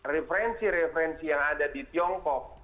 referensi referensi yang ada di tiongkok